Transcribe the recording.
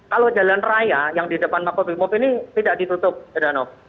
kalau jalan raya yang di depan makobrimo ini tidak ditutup ya ranok